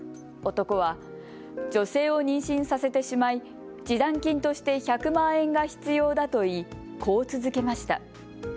男は、女性を妊娠させてしまい示談金として１００万円が必要だと言い、こう続けました。